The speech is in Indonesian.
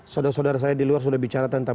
saudara saudara saya di luar sudah bicara tentang